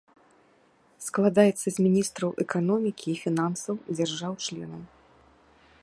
Складаецца з міністраў эканомікі і фінансаў дзяржаў-членаў.